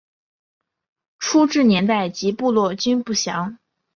初置年代及部落均不详。